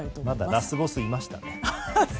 まだラスボスいましたね。